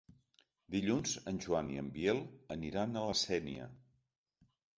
Dilluns en Joan i en Biel aniran a la Sénia.